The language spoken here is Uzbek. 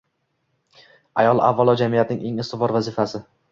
ayol avvalo jamiyatning eng ustuvor vazifasi